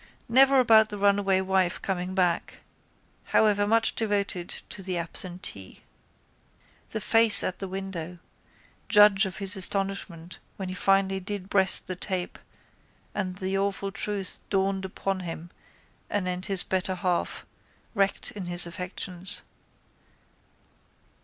Never about the runaway wife coming back, however much devoted to the absentee. The face at the window! Judge of his astonishment when he finally did breast the tape and the awful truth dawned upon him anent his better half, wrecked in his affections.